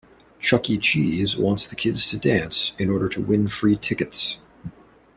Chuck E. Cheese wants the kids to dance in order to win free tickets.